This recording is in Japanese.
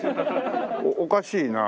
おかしいな。